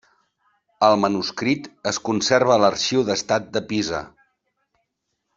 El manuscrit es conserva a l’Arxiu d’Estat de Pisa.